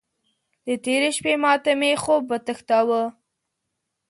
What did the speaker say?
د تېرې شپې ماتې مې خوب وتښتاوو.